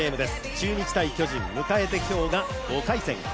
中日×巨人、迎えて今日が５回戦。